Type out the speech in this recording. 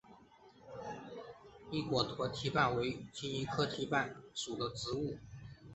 翼果驼蹄瓣为蒺藜科驼蹄瓣属的植物。